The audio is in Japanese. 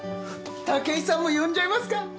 武居さんも呼んじゃいますか？